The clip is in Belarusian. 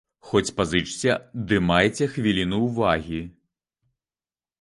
Хоць пазычце, ды майце хвіліну ўвагі.